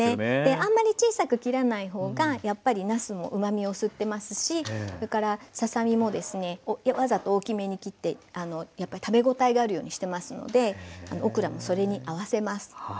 あんまり小さく切らないほうがやっぱりなすもうまみを吸ってますしそれからささ身もですねわざと大きめに切って食べごたえがあるようにしてますのでオクラもそれに合わせます。